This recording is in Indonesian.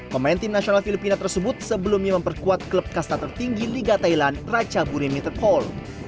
pemain tim nasional filipina tersebut sebelumnya memperkuat klub kasta tertinggi liga thailand racaburi methaul